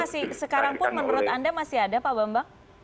masih sekarang pun menurut anda masih ada pak bambang